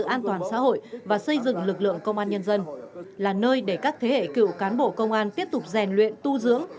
tự an toàn xã hội và xây dựng lực lượng công an nhân dân là nơi để các thế hệ cựu cán bộ công an tiếp tục rèn luyện tu dưỡng